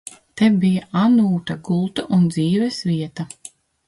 Te bija Anūta gulta un dzīves vieta.